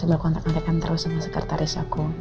bel kontak kontak kantor sama sekretaris aku